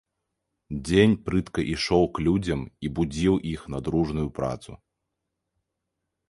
Дзень прытка ішоў к людзям і будзіў іх на дружную працу.